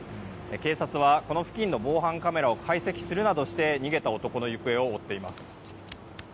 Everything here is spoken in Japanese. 警察は、この付近の防犯カメラを解析するなどして逃げた男の行方を追っています。